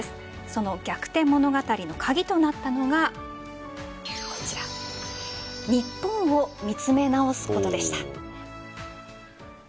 その逆転物語の鍵となったのは日本を見つめ直すことでした。